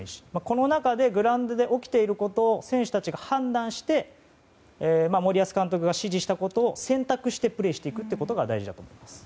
この中でグラウンドで起きていることを選手たちが判断して森保監督が指示したことを選択してプレーしていくことが大事だと思います。